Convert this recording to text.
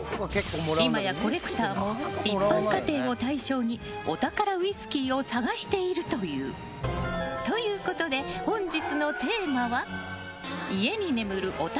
今やコレクターも一般家庭を対象にお宝ウイスキーを探しているという。ということで、本日のテーマは家に眠るお宝